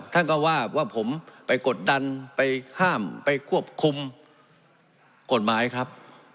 ท่านก็ว่าว่าผมไปกดดันไปห้ามไปควบคุมกฎหมายครับ